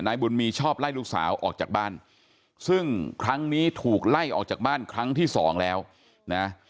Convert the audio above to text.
บุญมีชอบไล่ลูกสาวออกจากบ้านซึ่งครั้งนี้ถูกไล่ออกจากบ้านครั้งที่สองแล้วนะ